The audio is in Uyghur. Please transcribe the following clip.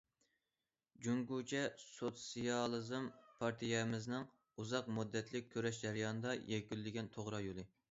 جۇڭگوچە سوتسىيالىزم پارتىيەمىزنىڭ ئۇزاق مۇددەتلىك كۈرەش جەريانىدا يەكۈنلىگەن توغرا يولى.